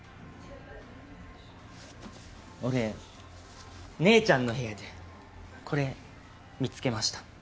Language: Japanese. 俺姉ちゃんの部屋でこれ見つけました